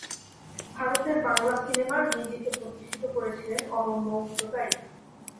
ভারতের বাংলা সিনেমার নিজেকে প্রতিষ্ঠিত করেছিলেন অনন্য উচ্চতায়।